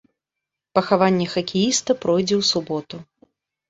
Пахаванне хакеіста пройдзе ў суботу.